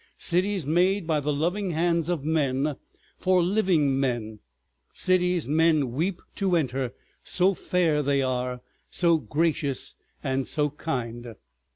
—cities made by the loving hands of men for living men, cities men weep to enter, so fair they are, so gracious and so kind.